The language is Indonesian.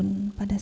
saya tidak mau